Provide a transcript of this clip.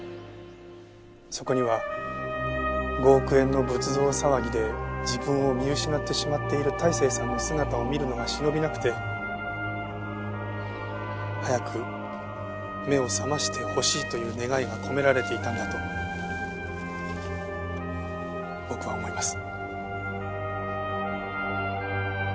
そこには５億円の仏像騒ぎで自分を見失ってしまっている泰生さんの姿を見るのが忍びなくて早く目を覚ましてほしいという願いが込められていたんだと僕は思います。